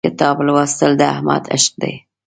کتاب لوستل د احمد عشق دی.